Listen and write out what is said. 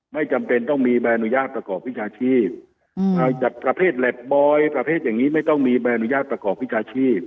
ไม่จำเป็นต้องมีใบอนุญาตประกอบวิชาชีพจากประเภทแล็บบอยประเภทอย่างนี้ไม่ต้องมีใบอนุญาตประกอบวิชาชีพ